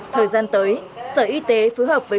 thời gian tới sở y tế phối hợp với phóng viện